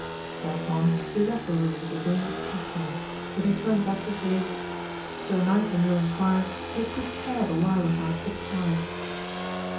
Thereupon he left the room with the willing castellan, but he turned back to say, "Sir Knight and your esquire! take good care the while of my sick charge."